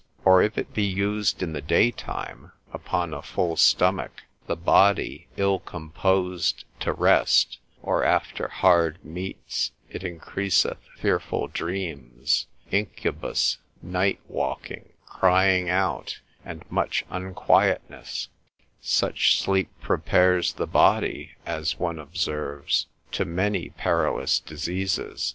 Or if it be used in the daytime, upon a full stomach, the body ill composed to rest, or after hard meats, it increaseth fearful dreams, incubus, night walking, crying out, and much unquietness; such sleep prepares the body, as one observes, to many perilous diseases.